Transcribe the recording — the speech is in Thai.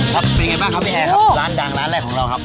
ครับเป็นไงบ้างครับพี่แอร์ครับร้านดังร้านแรกของเราครับ